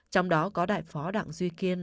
trong đó có đại phó đặng duy kiên